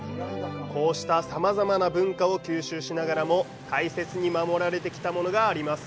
こうしたさまざまな文化を吸収しながらも大切に守られてきたものがあります。